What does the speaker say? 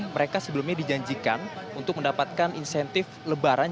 mereka sebelumnya dijanjikan untuk mendapatkan insentif lebaran